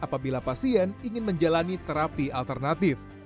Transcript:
apabila pasien ingin menjalani terapi alternatif